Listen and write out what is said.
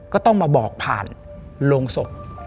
ก็ต้องมาบอกผ่านโรงศพ